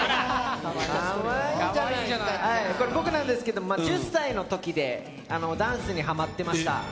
僕なんですけど、１０歳の頃でダンスにハマっていました。